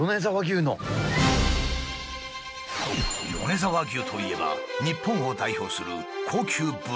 米沢牛といえば日本を代表する高級ブランド牛。